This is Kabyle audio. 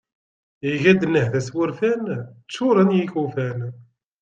Iger-d nnehta s wurfan, ččuṛen ikufan.